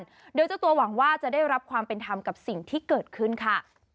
โดยเจ้าตัวหวังว่าจะได้รับความเป็นธรรมกับสิ่งที่เกิดขึ้นค่ะ